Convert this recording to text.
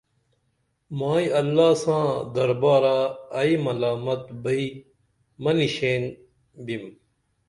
مائی اللہ ساں دربارہ ائی ملامت بئی مہ نِشیں بِم